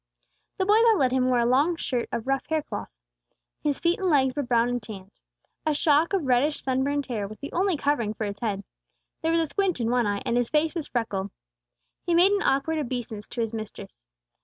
The boy that led him wore a long shirt of rough hair cloth. His feet and legs were brown and tanned. A shock of reddish sunburned hair was the only covering for his head. There was a squint in one eye, and his face was freckled. He made an awkward obeisance to his mistress.